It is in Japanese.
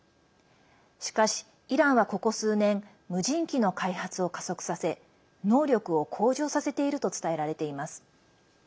しかし、イランはここ数年無人機の開発を加速させ能力を向上させていると伝えられています。